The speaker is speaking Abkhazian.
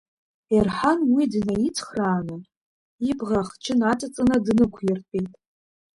Ерҳан уи днаицхрааны, ибӷа ахчы наҵаҵаны днықәиртәеит.